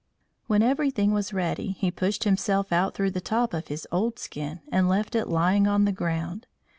When everything was ready he pushed himself out through the top of his old skin and left it lying on the ground.